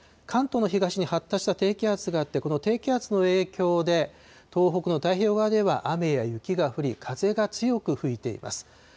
関東の東に発達した低気圧があって、この低気圧の影響で、東北の太平洋側では雨や雪が降り、風が強く吹いています。